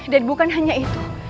dan bukan hanya itu